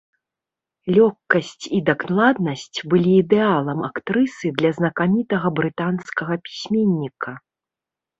Лёгкасць і дакладнасць былі ідэалам актрысы для знакамітага брытанскага пісьменніка.